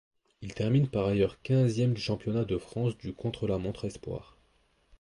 Il termine par ailleurs quinzième du championnat de France du contre-la-montre espoirs.